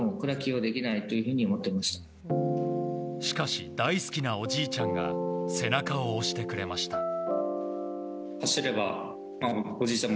しかし大好きなおじいちゃんが背中を押してくれました。